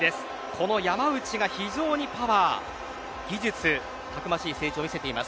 この山内が非常にパワー、技術たくましい成長を見せています。